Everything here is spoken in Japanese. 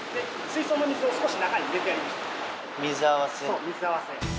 そう水合わせ。